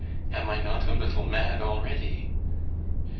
Am I not a little mad already?"